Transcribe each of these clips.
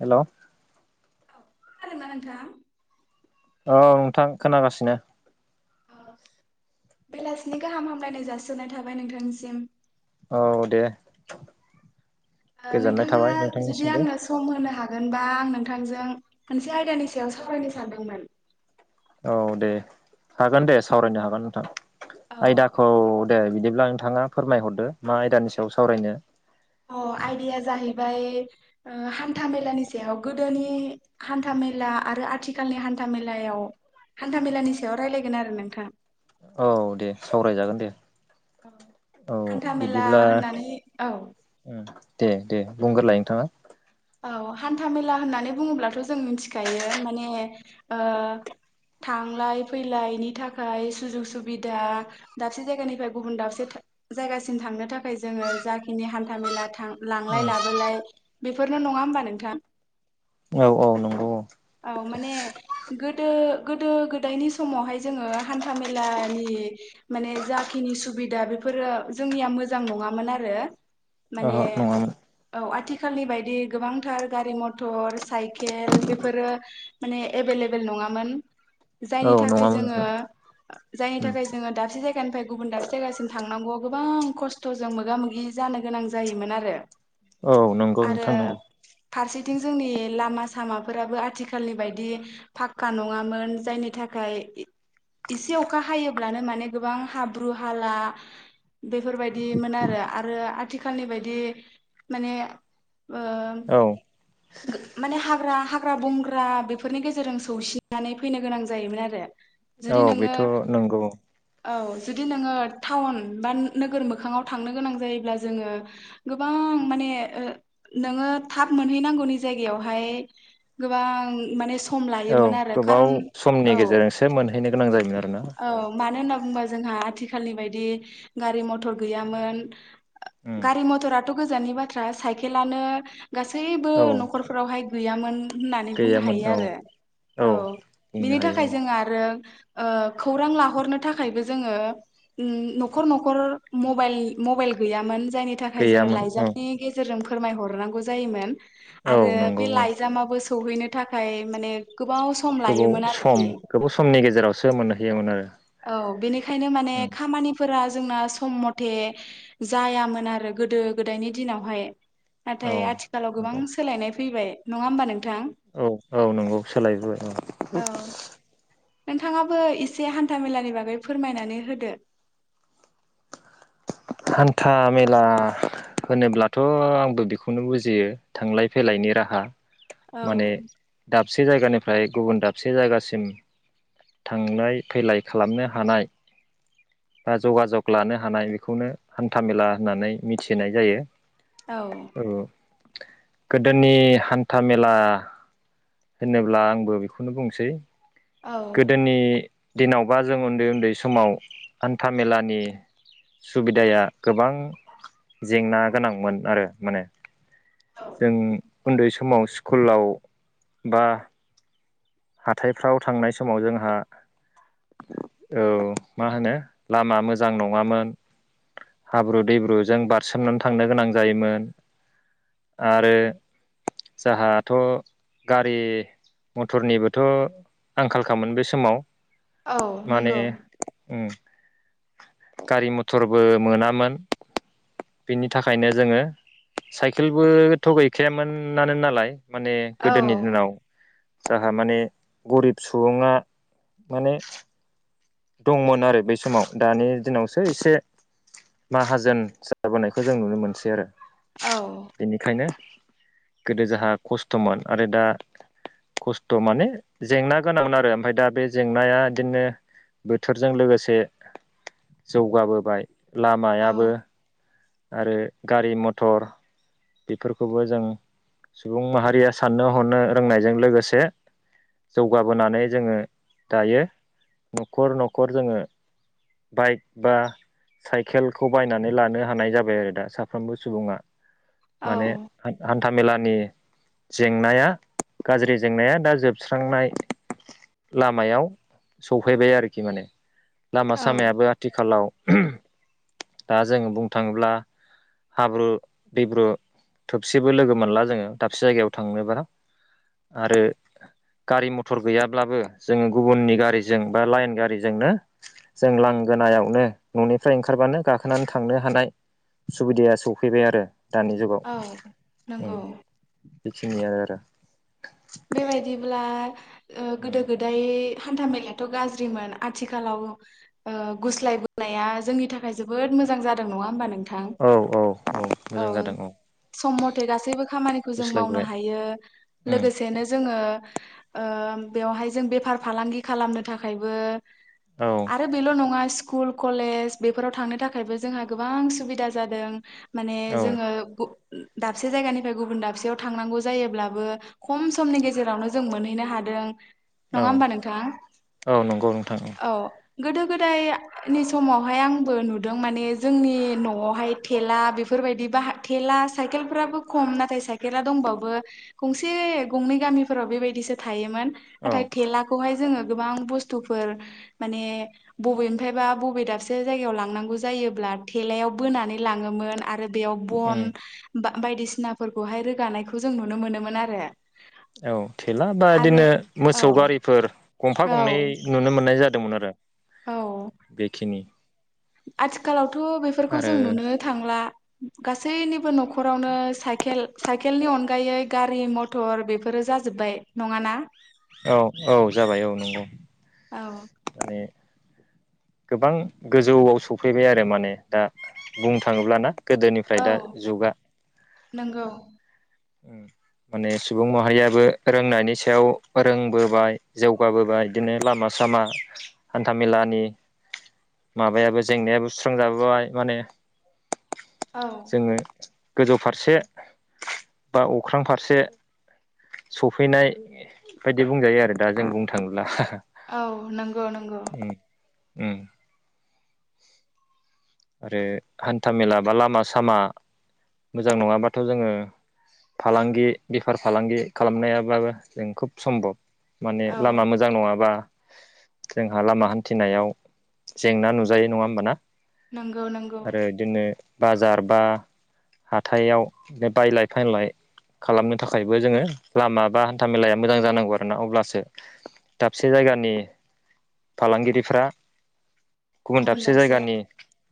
Hello. खोनादोंना नोंथां? औ नोंथां खोनागासिनो। औ बेलासिनि गाहाम हामलायनाय जासिहरनाय थाबाय नोंथांसिम। औ दे। ओ गोजोननाय नोंथाङा थाबाय जुदि नोंथांनिसिमबो आंनो सम होनो हागोन बा आं नोंथांजों मोनसे आयदानि सायाव सावरायनो सानदोंमोन। औ दे हागोन दे सावरायनो हागोन नोंथां। औ आयदाखौ दे बिदिब्ला नोंथाङा फोरमायहरदो मा आयदानि सायाव सावरायनो। अ आयदाया जाहै बाय ओ हान्थामेलानि सायाव गोदोनि हान्था मेला आरो आथिखालनि हान्था मेलायाव हान्था मेलानि सायाव रायलायगोन आरो नोंथां । औ दे सावरायजागोन दे । हान्था औ मेला बिदिब्ला होननानै औ उम। दे दे बुंग्रोलाय नोंथाङा । औ हान्था मेला होननानै बुङोब्लाथ' जों मिन्थिखायो माने ओ थांलाय फैलायनि थाखाय सुजुग सुबिदा दाबसे जायगानिफ्राय गुबुन दाबसे था जायगासिम थांनो थाखाय जोङो जाखिनि हान्था मेला थां लांलाय उम लाबोलाय बेफोरनो नङा होमबा नोंथां? औ औ नंगौ औ माने गोदो गोदो गोदायनि समावहाय जोङो हान्था मेलानि माने जाखिनि सुबिदा बेफोरो जोंनिया मोजां नङामोन आरो । माने ओहो नङामोन औ आथि खालि बाय दि गोबांथार गारि मथर साइकेल बेफोरो माने एबेलेबेल नङामोन । औ जायनि थाखाय नङामोन जोङो ओहो जायनि उम थाखाय जोङो दाबसे जायगानिफ्राय गुबुन दाबसे जायगासिम थांनांगौआ गु गोबां खस्थ'जों मोगा मोगि जानो गोनां जायोमोन आरो । औ नं आरो फारसेथिं जोंनि लामास सामाफोराबो आथिखालनि बायदि फाखक्का नङामोन जायनि थाखाय एसे अखा हायोब्लानो माने गोबां हाब्रु हाला बेफोरबायदिमोन आरो आरो आथिखालनि बायदि माने ओ औ गो माने हाग्रा हाग्रा बंग्रा बेफोरनि गेजेरजों सौसिननानै फैनो गोनां जायोमोन आरो औ जुदि नोङो बेथ' नंगौ । औ जुदि नोङो टाउन बा नोगोर मोखाङाव थांनो गोनां जायोब्ला जोङो गोबां माने ओ नोङो थाब मोनहैनांगौनि जायगायावहाय गोबां माने सम औ लायोमोन आरो गोबाव खारन समनि औ गेजेरजोंसो मोनहैनो गोनां जायोमोन आरोना औ मानो होनना । बुंबा जोंहा आथिखालनि बायदि गारि मथर गैयामोन उम । गाारि मथर आथ' गोजाननि ब्राथ्रा बाइ खेलानो गासैबो औ न'खरफोरावहाय गैयामोन । होननानै बुंनो गैयामोन हायो औ आरो औ बुंनो बिनि हायो थाखाय औ जों आरो ओ खौरां लाहरनो थाखायबो जोङो न'खर न'खर मबाइल मबाइल गैयामोन । जायनि थाखाय जोङो गैयामोन औ लाइजामनि गेजे जों फोरमायहरनांगौ जायोमोन । औ आरो नंगौ बे औ लाइजामाबो स सौहैनो थाखाय माने गोबाव सम गोबाव लायोमोन सम आरोखि गोबाव समनि गेजेरावसो मोनहैयोमोन आरो बिनि खायनो माने उम खामानिफोरा जोंना सम मथे जायामोन आरो गोदो गोदायनि दिनावहाय औ नाथाय आथिखालाव गोबां नंगौ सोलायनाय फैबाय नङा होमबा नों औ औ नंगौ सोलायबोबाय औ नोंथाङाबो एसे हान्थामेलानि बागै फोरमायनानै होदो हान्था मेला होनोब्लाथ' आंबो बेखौनो बुजियो थांलाय फैलायनि राहा औ माने दाबसे जायगानिफ्राय गुबुन दाबसे जायगासिम थांलाय फैलाय खालामनो हानाय बा जगाजग लानो हानाय बे खौनो हान्थामेला होननानै मिथिनाय जायो औ औ गोदोनि हान्था मेला होनोब्ला आंबो बेखौनो बुंसै औ गोदोनि दिनावबा जों उन्दै उन्दै समाव हान्था मेलानि सुबिदाया गोबां जेंना गोनांमोनआरो माने जों उन्दै समाव स्कुलाव बा हाथायफ्राव थांनाय समाव जोंहा औ मा होनो लामा मोजां नङामोन हाब्रु दैब्रुजों बारसोमनानै थांनो गोनां जायोमोन आरो जाहाथ गारि मथरनिबो थ आंखाल खामोन बे समाव औ माने नंगौ उम गारि मथरबो मोनामोन बिनि थाखायनो जोङो साइकेलबोथ गैखायामोनानो नालाय माने औ गोदोनि दिनाव जाहा माने गरिब सुबुंङा माने दंमोन आरो बै समाव दानि दिनावसो एसे माहाजोन जाबोनायखौ जों नुनो मोनसै आरो औ बेनिखायनो गोदो जाहा खस्थमोन आरो दा खस्थ माने जेंना गोनांमोन आरो ओमफाय दा बे जेंनाया इदिनो बोथोरजों लोगोसे जौगाबोबाय लामायाबो औ आरो गारि मथर बेफोरखौबो जों सुबुं माहारिया साननो हनो रोंनायजों लोगोसे जौगाबोनानै जोङो दायो नखर नखर जोङो बाइक बा साइकेलखौ बायनानै लानो हानाय जाबाय आरो दा साफ्रामबो सुबुंङा औ माने आं आन हान्थामेलानि जेंनाया गाज्रि जेंनाया दा जोबस्रांनाय लामायाव सौफैबाय आरोखि माने लामा औ सामायाबो आथिखालाव दा जोंङो बुं थांब्ला हाब्रु दैब्रु थोबसेबो लोगो मोनला जोङो दाबसे जायगायाव थांनोबा आरो गारि मथर गैयाब्लाबो जोङो गुबुननि गारिजों बा लाइन गारिजोंनो जों लांगोनायावनो ननिफ्राय ओंखारबानो गाखोनानै थांनो हानाय सुबिदाया सौफैबाय आरो दानि जुगाव औ नंगौ सिनिओरो बेबायदिब्ला ओ उम गोदो गोदाय हान्था मेलायाथ' गाज्रिमोन आथिखालाव ओ गुस्लायबोनाया जोंनि थाखाय जोबोद मोजां जादों नङा होमबा नों औ औ औ मोजां जादों औ थे गासैबो खामानिखौ जों मावनो गुस्लायबोबाय हायो उम लोगोसे जोङो ओ बेवहाय जों बेफार फालांगि खालामनो थाखायबो औ आरो बेल' नङा खुल कलेज बेफोराव थांनो थाखायबो जोंहा गोबां सुबिदा जादों। माने औ जोङो उ ओ‌ दाबसे जायगानिफ्राय गुबुन दाबसेयाव थांनांगौ जायोब्लाबो खम समनि गेजेरावनो जों मोनहैनो हादों। औ नङा होमबा नोंथां? औ नंगौ नोंथां औ गोदो गोदायनि समावहाय आंबो नुदों माने जोंनि न'आवहाय थेला बेफोरबायदि बाह थेला साइकेलफ्राबो खम नाथाय साइकेला दंबाबो गंस से गंनै गामिफोराव बेबायदिसो थायोमोन। औ नाथाय थेलाखौहाय जोङो गोबां बुसथुफोर माने बबेनिफ्रायबा बबे दाबसे जायगायाव लांनांगौ जायोब्ला थेलायाव बोनानै लाङोमोन आरो बेयाव बन उम बा बायदिसिनाफोरखौहाय रोगानायखौ जों नुनो मोनोमोन आर रो औ थेला बा दिनो औ मोसौ गारिफोर गंफा गंनै नुनो मोन मोननाय जादोंमोन आरो बेखिनि आथिखालाव थ थ' बेफोरखौ आरो जों नुनोनो थांला। गासैनिबो न'ख खरावनो साइकेल साइकेलनि अनगायै गारि मथर बेफोरो जाजोब्बाय नङाना? औ औ जाबाय औ नंगौ। औ माने गोबां गोजौआव सफैबाय आरो माने दा बुंनो थाङोब्लाना? औ गोदोनिफ्राय दा जुगा नंगौ ओं माने सुबुं माहारियाबो रोंनायनि सायाव रोंबोबाय जौगाबोबाय दिनो लामा सामा हान्थामेलानि माबायाबो जेंनायाबो सुस्रांजाबोबाय माने औ जोङो गोजौ फारसे बा अख्रां फारसे सफैनाय बे बायदि बुंजायो आरो दा जों बुंनो थाङोब्ला‌। औ नंगौ नंगौ। उम आरो हान्था मेला बा लामा सामा मोजां नङाबाथ' जोङो फालांगि बेफार फालांगि खालामनायाबा बा जों खुब सम्भब। माने औ लामा मोजां नङाबा जोंहा लामा हान्थिनायाव जेंना नुजायो नङा होमबाना? नंगौ नंगौ आरो इदिनो बाजार बा हाथायाव बे बायलाय फानलाय खालामनो थाखायबो जोङो लामा बा हान्था मेलाया मोजां जानांगौ आरोना, अब्लासो दाबसे जायगानि फालांगिरिफ्रा गुबुन दाबसे जायगानि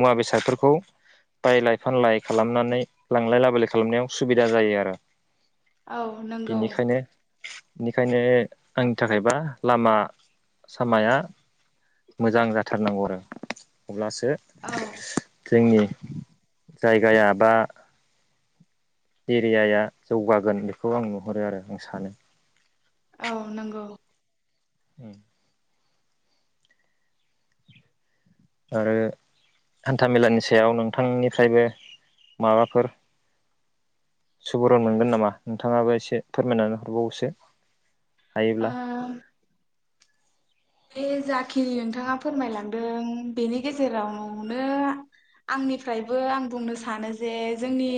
मुवा बेसादफोरखौ बायलाय फानलाय खालामनानै लांलाय लाबोलाय खालामनायाव सुबिदा जायो आरो। औ नंगौ। बिनिखायनो आंनि थाखायबा लामा सामाया मोजां जाथारनांगौ आरो अब्लासो औ। जोंनि जायगाया बा एरियाया जौगागोन बेखौ आं नुहरो आरो, आं सानो। औ नंगौ। उम आरो हान्थामेलानि सायाव नोंथांनिफ्रायबो माबाफोर सुबुरुन मोनगोन नामा? नोंथाङाबो एसे फोरमायनानै हरबावोसो हायोब्ला। ओ बे जाखिनि नोंथाङा फोरमायलांदों बेनि गेजेरावनो आंनिफ्रायबो आं बुंनो सानो जे जोंनि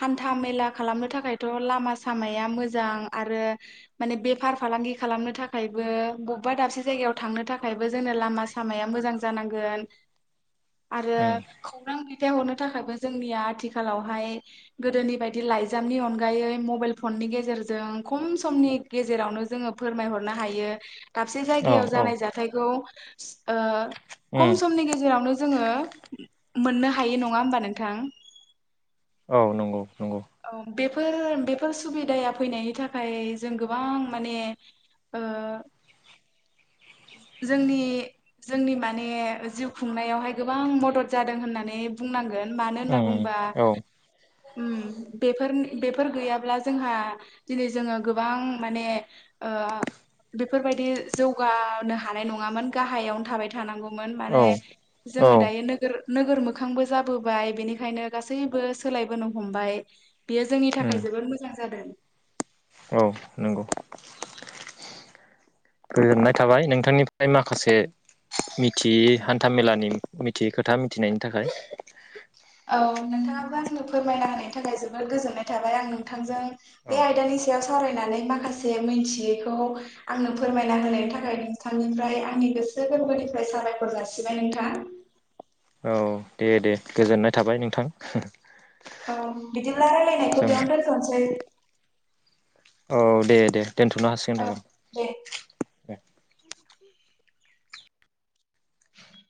हान्था मेला खालामनो थाखायथ' लामा सामाया मोजां आरो माने बेफार फालांगि खालामनो थाखायबो बबेबा दाबसे जायायाव थांनो थाखायबो जोंनो लामा सामाया मोजां जानांगोन। आरो उम खौरां दैथायहरनो थाखायबो जोंनिया आथिखालावहाय गोदोनि बायदि लाइजामनि अनगायै मबेल फननि गेजेरजों खम समनि गेजेरावनो जोङो फोरमायहरनो हायो। दाबसे औ जायगायाव औ जानाय जाथाइखौ ओ उम खम सम नि गेेजेरावनो जोङो मोननो हायो नङा होनबा नोंथां? औ नंगौ नंगौ। औ बेफोर बेफोर सुबिदाया फैनायनि थाखाय जों गोबां माने ओ जोंनि जोंनि माने जिउ खुंनायावहाय गोबां मदद जादों होननानै बुंनांगोन। गोन मानो होनना उम बुङोबा औ ओम, बेफोरनि बेफोर गैयाब्ला जोंहा दिनै जोङो गोबां माने ओ बेफोरबायदि जौगानो हानाय नङामोन गाहायावनो थाबाय थानांगौ मोन, माने औ औ जोङो दायो नोगोर नोगोर मोखांबो जाबोबाय बेनिखायनो गासैबो सोलायबोनो हमबाय। बेयो जोंनि उम थाखाय जबोर मोजां जादों। औ नंगौ गोजोननाय थाबाय नोंथांनिफ्राय माखासे मिथियै हान्थामेलानि मिथियै खोथा मिथिनायनि थाखाय। औ नोंथाङाबो आंनो फोरमायना होनायनि थाखाय जोबोद गोजोननाय थाबाय आं नोंथांजों बे औ आयदानि साव सावरायनानै माखासे मिथियैखौ आंनो फोरमायना होनायनि थाखाय नोंथांनिफ्राय आंनि गोसो गोरबोनिफ्राय साबायखर जासिबाय नोंथां। औ दे दे गोजोननाय थाबाय नोंथां। औ बिदिब्ला रायलायनायखौ जों बेयावनो दोनथ'नोसै। औ दे दे। दोनथ'नो हासिगोन दे। [unintelligible] [inaudible]